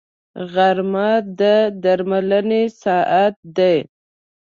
غرمه د درملنې ساعت دی